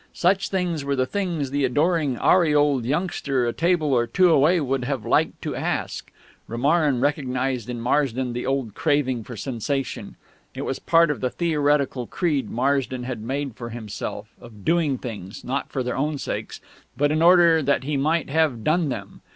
Such things were the things the adoring aureoled youngster a table or two away would have liked to ask. Romarin recognised in Marsden the old craving for sensation; it was part of the theoretical creed Marsden had made for himself, of doing things, not for their own sakes, but in order that he might have done them.